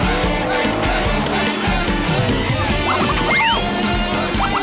ออมเบอร์โตมหาสนุก